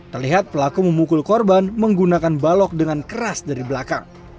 terlihat pelaku memukul korban menggunakan balok dengan keras dari belakang